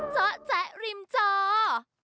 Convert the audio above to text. เจาะแจ๊ะริมจอ